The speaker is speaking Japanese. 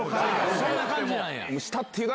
そんな感じなんや。